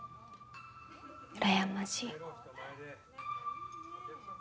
うらやましい。